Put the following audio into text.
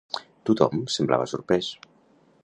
Tothom semblava sorprès.